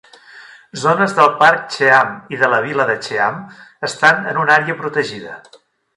Zones del parc Cheam i de la vila de Cheam estan en una àrea protegida.